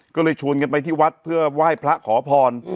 ก็เลยชวนกันไปที่วัดเพื่อไหว้พระขอพร